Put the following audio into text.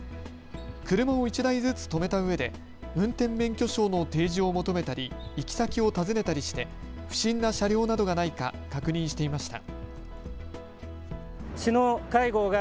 車を１台ずつ止めたうえで運転免許証の提示を求めたり行き先を尋ねたりして不審な車両などがないか確認していました。